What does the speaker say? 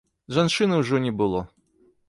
Жанчыны ўжо не было.